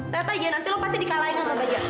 liat aja nanti lo pasti dikalahin sama baca